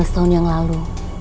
lima belas tahun yang lalu